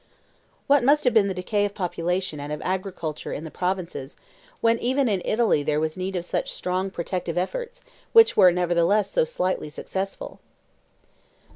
What must have been the decay of population and of agriculture in the provinces, when even in Italy there was need of such strong protective efforts, which were nevertheless so slightly successful?